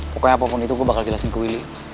pokoknya apapun itu gue bakal jelasin ke willy